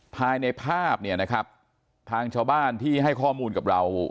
ภายในภาพเนี่ยนะครับทางชาวบ้านที่ให้ข้อมูลกับเรา